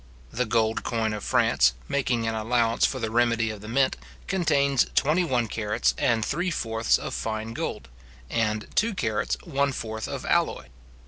} The gold coin of France, making an allowance for the remedy of the mint, contains twenty one carats and three fourths of fine gold, and two carats one fourth of alloy.